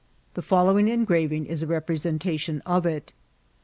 The following engraving 18 a representation of it.